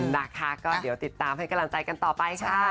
นะคะก็เดี๋ยวติดตามให้กำลังใจกันต่อไปค่ะ